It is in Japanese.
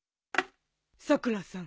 さくらさん。